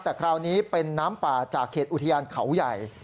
แต่คราวนี้เป็นน้ำป่าจากเขตอุทยานเขาใหญ่